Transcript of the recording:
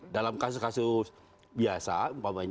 dalam kasus kasus biasa